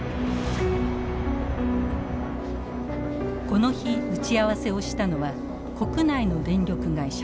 この日打ち合わせをしたのは国内の電力会社。